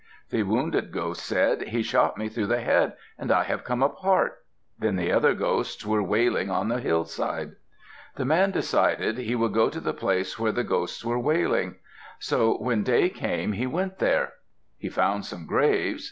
The wounded ghost said, "He shot me through the head and I have come apart." Then the other ghosts were wailing on the hillside. The man decided he would go to the place where the ghosts were wailing. So when day came, he went there. He found some graves.